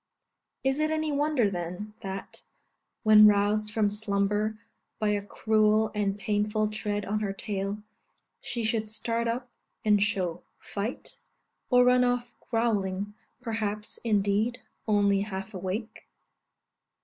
Is it any wonder, then, that, when roused from slumber by a cruel and painful tread on her tail, she should start up and show fight, or run off growling perhaps, indeed, only half awake?